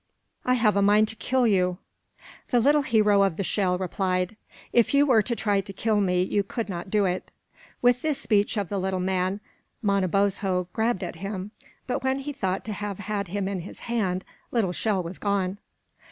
I have a mind to kill you." The little hero of the shell replied: "If you were to try to kill me you could not do it." With this speech of the little man, Manabozho grabbed at him; but when he thought to have had him in his hand, Little Shell was gone.